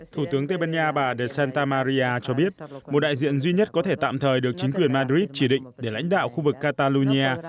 thủ tướng tây ban nha bà decta maria cho biết một đại diện duy nhất có thể tạm thời được chính quyền madrid chỉ định để lãnh đạo khu vực catalonia